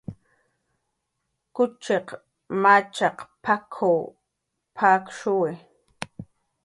"Kuchiq machaq p""ak""w pakshuwi"